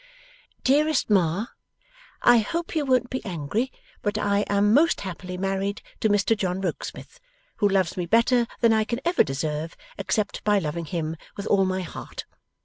'DEAREST MA, I hope you won't be angry, but I am most happily married to Mr John Rokesmith, who loves me better than I can ever deserve, except by loving him with all my heart.